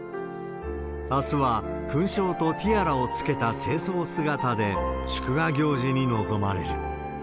あすは勲章とティアラをつけた正装姿で、祝賀行事に臨まれる。